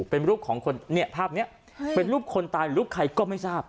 เป็นรูปของคนเนี่ยภาพนี้เป็นรูปคนตายรูปใครก็ไม่ทราบ